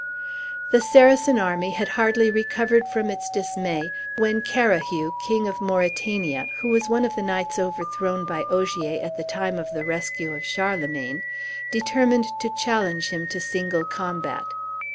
The Saracen army had hardly recovered from its dismay when Carahue, King of Mauritania, who was one of the knights overthrown by Ogier at the time of the rescue of Charlemagne, determined to challenge him to single combat.